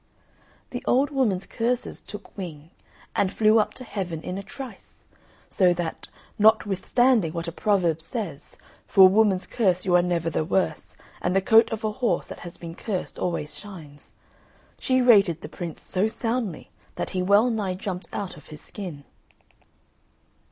The old woman's curses took wing and flew up to Heaven in a trice; so that, notwithstanding what a proverb says, "for a woman's curse you are never the worse, and the coat of a horse that has been cursed always shines," she rated the Prince so soundly that he well nigh jumped out of his skin.